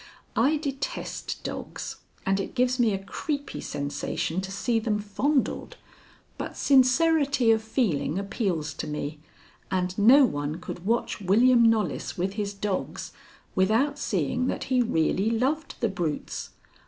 I detest dogs, and it gives me a creepy sensation to see them fondled, but sincerity of feeling appeals to me, and no one could watch William Knollys with his dogs without seeing that he really loved the brutes.